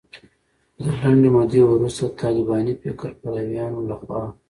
خو د لنډې مودې وروسته د طالباني فکر پلویانو لخوا